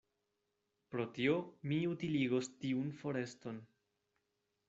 Pro tio, mi utiligos tiun foreston.